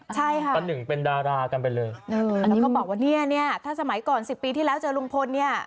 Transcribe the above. ใช่ค่ะป้าหนึ่งเป็นดารากันไปเลยแล้วก็บอกว่าเนี่ยเนี่ยถ้าสมัยก่อนสิบปีที่แล้วเจอลุงพลเนี่ย